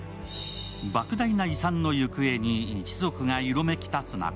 莫大な遺産の行方に一族が色めき立つ中、